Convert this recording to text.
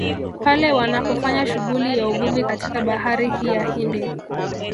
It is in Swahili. Pale wanapofanya shughuli ya uvuvi katika bahari hii ya Hindi